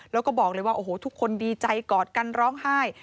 แล้วก็บอกเลยว่าโอ้โหทุกคนดีใจกอดกันร้องไห้